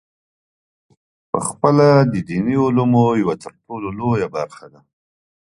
پخپله د دیني علومو یوه ترټولو لویه برخه ده.